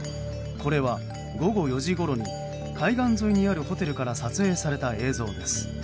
これは、午後４時ごろに海岸沿いにあるホテルから撮影された映像です。